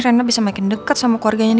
rena bisa makin dekat sama keluarganya